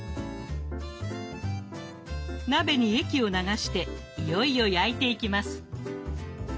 鍋に液を流していよいよ焼いていきます。